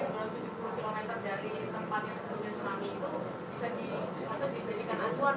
itu saya mau perjelasan aja maksudnya apakah betul betul diambil karena di sana sudah enam cm berarti sudah tidak ada lagi tsunami